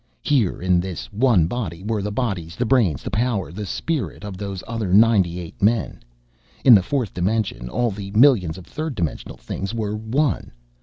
Here, in this one body were the bodies, the brains, the power, the spirit, of those other ninety eight men. In the fourth dimension, all the millions of third dimensional things were one.